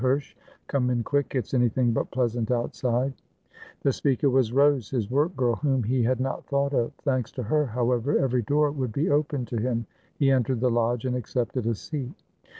come in quick; it's anything but pleasant outside." The speaker was Rose, his work girl, whom he had 392 THE WHITE FLAG OF SEDAN not thought of. Thanks to her, however, every door would be opened to him. He entered the lodge and accepted a seat.